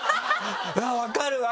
分かるわ！